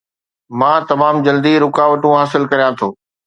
مان تمام جلدي رڪاوٽون حاصل ڪريان ٿو